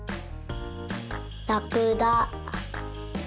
ラクダ。